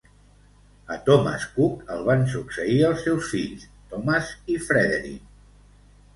A Thomas Cook el van succeir els seus fills, Thomas i Frederick.